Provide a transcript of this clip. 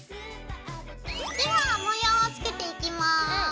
では模様をつけていきます。